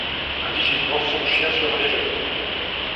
Un vigile lance son chien sur un des jeunes.